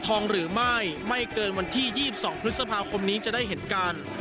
ทองหรือไม่ไม่เกินวันที่๒๒พฤษภาคมนี้จะได้เห็นกัน